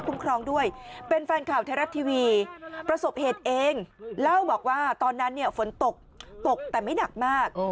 เขาบอกว่าตอนนั้นฝนตกตกแต่ไม่หนักมาก